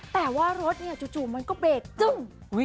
แต่ว่ารถเนี่ยจู่มันก็เบรกจึ้ง